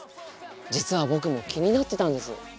実は僕も気になってたんです。